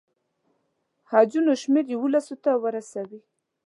حجونو شمېر یوولسو ته ورسوي.